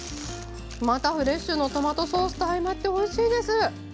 またフレッシュのトマトソースと相まっておいしいです。